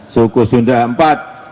suku sunda empat